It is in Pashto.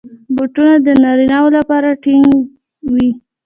بوټونه د نارینه وو لپاره ټینګ وي.